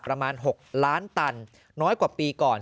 ประมาณ๖๐๐๐๐๐บาทตันน้้อยกว่าปีก่อนซึ่ง